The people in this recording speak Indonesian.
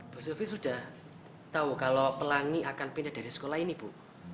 bu sylvi sudah tahu kalau pelangi akan pindah dari sekolah ini bu